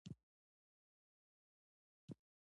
آیا د غنمو تخم له کرلو مخکې زهرجن کړم؟